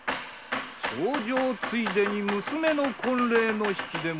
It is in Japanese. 重畳ついでに娘の婚礼の引き出物